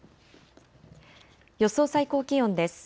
予想最高気温です。